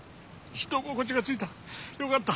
人心地がついた。